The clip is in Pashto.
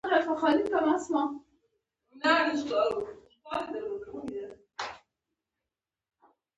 هدايتکار ئې Kevin Reynolds دے